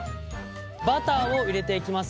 バターを入れていきます。